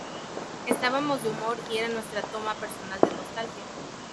Estábamos de humor y era nuestra toma personal de nostalgia.